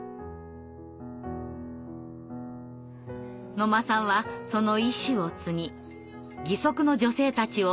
野間さんはその意思を継ぎ義足の女性たちをつなぎ続けています。